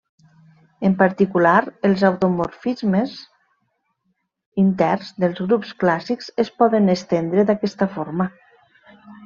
En particular, els automorfismes interns dels grups clàssics es poden estendre d'aquesta forma.